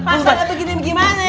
masalah begini gimana